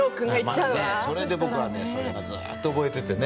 それで僕はねそれがずっと覚えててね。